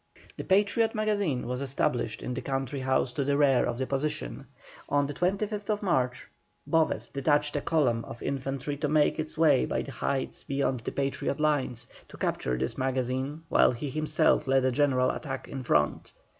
The Patriot magazine was established in the country house to the rear of the position. On the 25th March Boves detached a column of infantry to make its way by the heights beyond the Patriot lines, to capture this magazine, while he himself led a general attack in front.